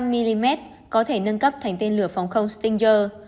ba mươi năm mm có thể nâng cấp thành tên lửa phòng không stinger